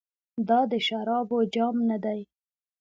دا د شرابو جام ندی.